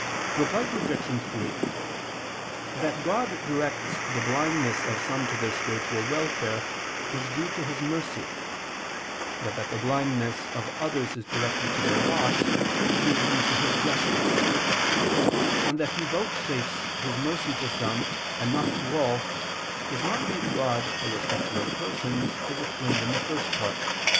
Reply Obj. 3: That God directs the blindness of some to their spiritual welfare, is due to His mercy; but that the blindness of others is directed to their loss is due to His justice: and that He vouchsafes His mercy to some, and not to all, does not make God a respecter of persons, as explained in the First Part (Q.